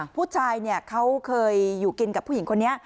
ผู้ชายเขาเคยอยู่กินกับผู้หญิงคนนี้